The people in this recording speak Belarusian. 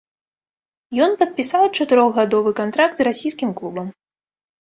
Ён падпісаў чатырохгадовы кантракт з расійскім клубам.